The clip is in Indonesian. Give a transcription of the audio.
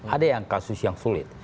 ada yang kasus yang sulit